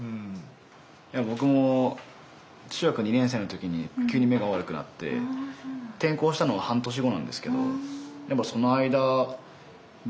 僕も中学２年生の時に急に目が悪くなって転校したのが半年後なんですけどその間授業ではね